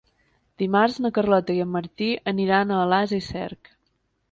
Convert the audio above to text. Dimarts na Carlota i en Martí aniran a Alàs i Cerc.